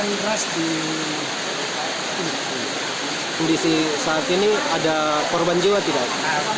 karena air yang terjebak di kondisi saat ini ada korban jawa tidak